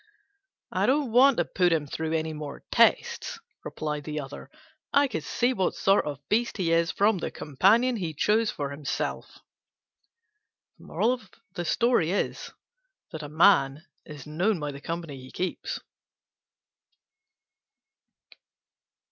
"I don't want to put him through any more tests," replied the other: "I could see what sort of beast he is from the companion he chose for himself." A man is known by the company he keeps.